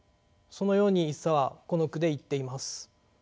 そのように一茶はこの句で言っています。